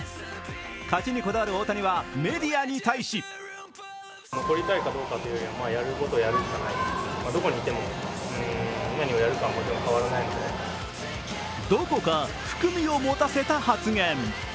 勝ちにこだわる大谷はメディアに対しどこか含みを持たせた発言。